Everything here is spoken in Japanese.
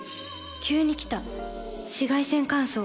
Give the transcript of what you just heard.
急に来た紫外線乾燥。